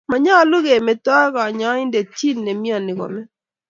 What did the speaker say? Manyolu kometo kanyaindet chi nemiani kome.